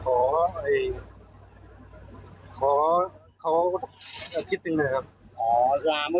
ขอขอคิดหนึ่งหน่อยครับอ๋อลาเมื่อมาเป็นเพื่อนเหล่าครับ